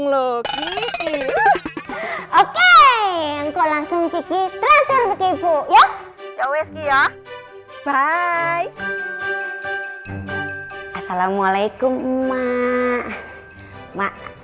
lo gitu oke engkau langsung kiki transfer ke ibu ya ya wsk ya bye assalamualaikum emak emak